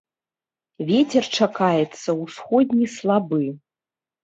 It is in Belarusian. Вецер чакаецца ўсходні слабы.